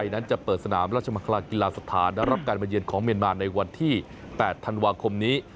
นั้นจะเปิดสนามราชมังคลากีฬาสถานรับการมาเยือนของเมียนมาในวันที่๘ธันวาคมนี้